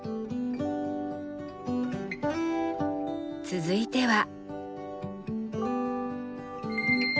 続いては。